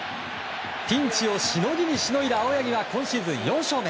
ピンチをしのぎにしのいだ青柳は今シーズン４勝目。